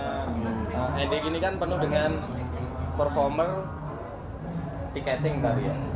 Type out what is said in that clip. karena ndx ini kan penuh dengan performer tiketing tadi ya